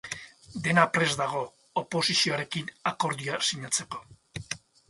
Dena prest dago oposizioarekin akordioa sinatzeko.